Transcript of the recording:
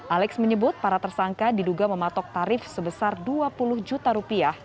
alex menyebut para tersangka diduga mematok tarif sebesar dua puluh juta rupiah